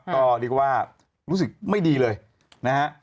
ก็เรียกว่ารู้สึกไม่ดีเลยนะฮะ